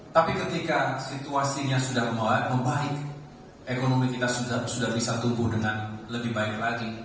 tapi ketika situasinya sudah mulai membaik ekonomi kita sudah bisa tumbuh dengan lebih baik lagi